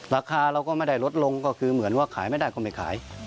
ราคาเราก็ไม่ได้ลดลงก็คือเหมือนว่าขายไม่ได้ก็ไม่ขาย